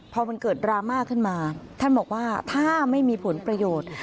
พอมันเกิดดราม่าขึ้นมาท่านบอกว่าถ้าไม่มีผลประโยชน์